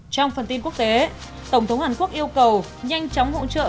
trong phần tin quốc tế tổng thống hàn quốc yêu cầu nhanh chóng hỗ trợ